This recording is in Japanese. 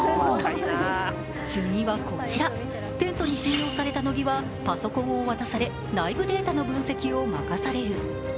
次はこちら、テントに信用された乃木はパソコンを渡され、内部データの分析を任される。